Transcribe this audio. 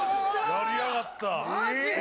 やりやがったマジ？